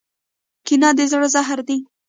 کینه د زړه زهر دی.